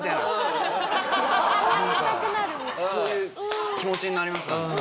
そういう気持ちになりました。